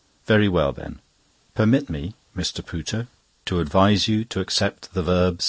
"Very well, then! Permit me, Mr. Pooter, to advise you to accept the _verb.